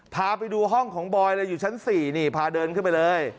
พาไปดูห้องของบอยเลยอยู่ชั้น๔นี่พาเดินขึ้นไปเลย